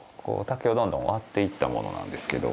竹をどんどん割っていったものなんですけど。